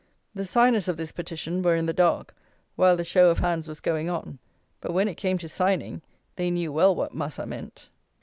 The signers of this petition were in the dark while the show of hands was going on; but when it came to signing they knew well what Massa meant!